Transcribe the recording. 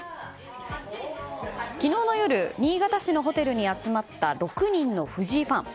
昨日の夜、新潟市のホテルに集まった６人の藤井ファン。